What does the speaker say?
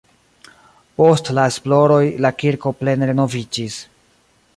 Post la esploroj la kirko plene renoviĝis.